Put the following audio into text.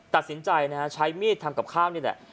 ตัดสินใจนะฮะใช้มีดทำกับข้าวนี่แหละ